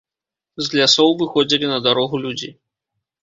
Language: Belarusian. З лясоў выходзілі на дарогу людзі.